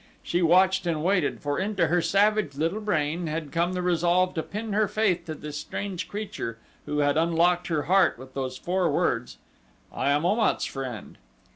She watched and waited, for into her savage little brain had come the resolve to pin her faith to this strange creature who had unlocked her heart with those four words "I am Om at's friend!"